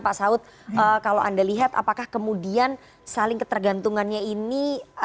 pak saud kalau anda lihat apakah kemudian saling ketergantungannya ini